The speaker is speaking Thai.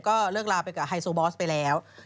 ก็เลิกลาไปกับไฮโซบอสไปแล้ว